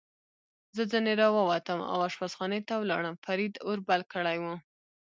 زه ځنې را ووتم او اشپزخانې ته ولاړم، فرید اور بل کړی و.